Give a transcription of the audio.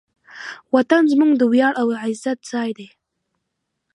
وطن زموږ د ویاړ او عزت ځای دی.